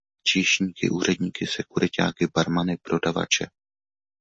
Číšníky, úředníky, sekuriťáky, barmany, prodavače.